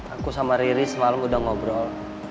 aku sama riri semalam udah ngobrol